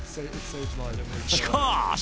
しかし！